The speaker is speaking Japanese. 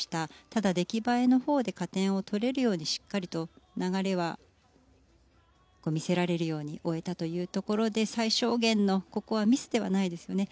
ただ、出来栄えのほうで加点を取れるようにしっかりと流れは見せられるように終えたというところで最小限のここはミスではないですね。